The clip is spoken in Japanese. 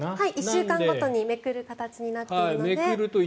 １週間ごとにめくる形になっているので。